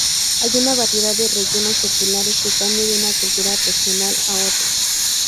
Hay una variedad de rellenos populares que cambia de una cultura regional a otra.